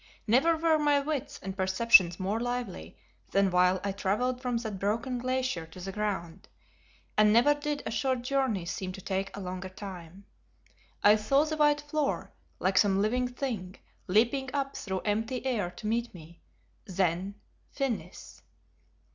Never were my wits and perceptions more lively than while I travelled from that broken glacier to the ground, and never did a short journey seem to take a longer time. I saw the white floor, like some living thing, leaping up through empty air to meet me, then _finis!